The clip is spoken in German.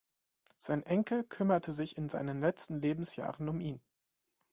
Sein Enkel kümmerte sich in seinen letzten Lebensjahren um ihn.